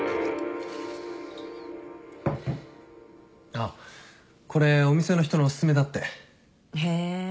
あっこれお店の人のお薦めだって。へ。